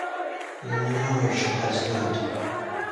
You know she has not!